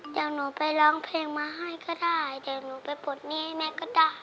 เดี๋ยวหนูไปร้องเพลงมาให้ก็ได้เดี๋ยวหนูไปปลดหนี้ให้แม่ก็ได้